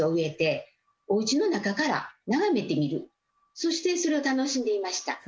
そしてそれを楽しんでいました。